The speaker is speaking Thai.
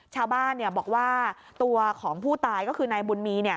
ชาวบ้านบอกว่าตัวของผู้ตายก็คือนายบุญมี